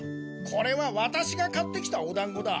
これはワタシが買ってきたおだんごだ。